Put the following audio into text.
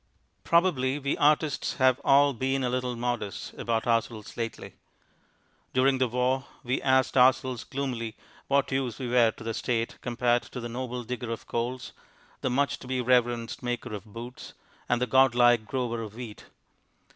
Probably we artists have all been a little modest about ourselves lately. During the war we asked ourselves gloomily what use we were to the State compared with the noble digger of coals, the much to be reverenced maker of boots, and the god like grower of wheat.